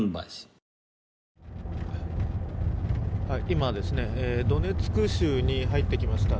今、ドネツク州に入ってきました。